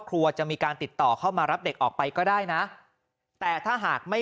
ครัวจะมีการติดต่อเข้ามารับเด็กออกไปก็ได้นะแต่ถ้าหากไม่